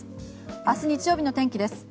明日日曜日の天気です。